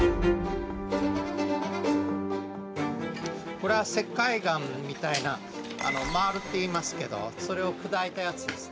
これは石灰岩みたいな「マール」っていいますけどそれを砕いたやつですね。